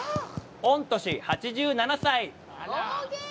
御年８７歳。